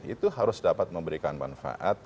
itu harus dapat memberikan manfaat